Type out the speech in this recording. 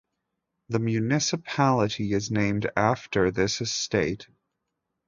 The municipality is named after this estate.